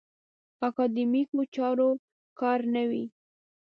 اکاډیمیکو چارو کار نه وي.